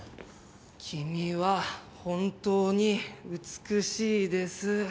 君は本当に美しいです。